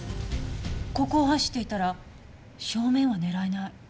ここを走っていたら正面を狙えない。